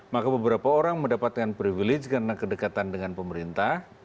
maka beberapa orang mendapatkan privilege karena kedekatan dengan pemerintah